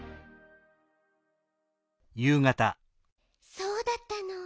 そうだったの。